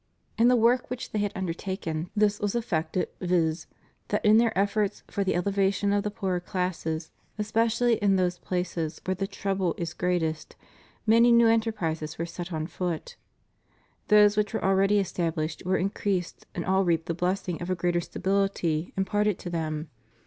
In the work which they had undertaken this was effected, viz»; that in their efforts for the elevation of the poorer classes, especially in those places where the trouble is greatest, many new enterprises were set on foot; those which were already established were increased and all reaped the blessing of a greater stability imparted to them.